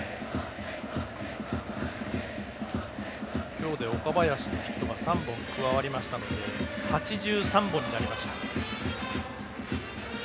今日で岡林のヒットは３本加わりましたので８３本になりました。